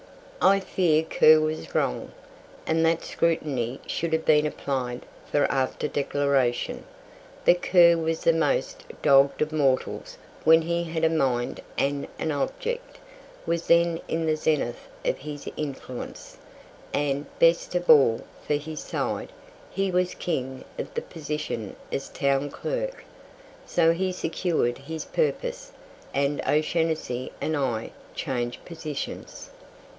I fear Kerr was wrong, and that scrutiny should have been applied for after declaration. But Kerr was the most dogged of mortals when he had a mind and an object, was then in the zenith of his influence, and, best of all for his side, he was king of the position as town clerk. So he secured his purpose, and O'Shanassy and I changed positions.